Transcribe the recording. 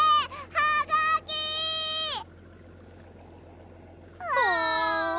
はがき！あ。